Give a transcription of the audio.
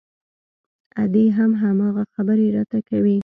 ادې هم هماغه خبرې راته کوي.